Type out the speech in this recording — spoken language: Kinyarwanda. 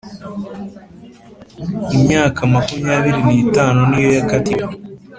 Imyaka makumyabiri n’itanu niyo yakatiwe